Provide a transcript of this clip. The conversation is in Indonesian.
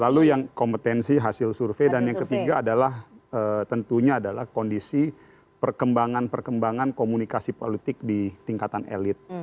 lalu yang kompetensi hasil survei dan yang ketiga adalah tentunya adalah kondisi perkembangan perkembangan komunikasi politik di tingkatan elit